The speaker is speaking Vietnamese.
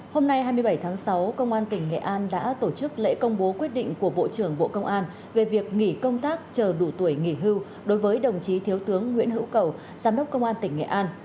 hôm nay hai mươi bảy tháng sáu công an tỉnh nghệ an đã tổ chức lễ công bố quyết định của bộ trưởng bộ công an về việc nghỉ công tác chờ đủ tuổi nghỉ hưu đối với đồng chí thiếu tướng nguyễn hữu cầu giám đốc công an tỉnh nghệ an